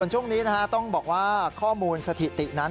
ช่วงนี้ต้องบอกว่าข้อมูลสถิตินั้น